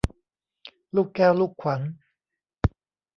ลูกแก้วลูกขวัญ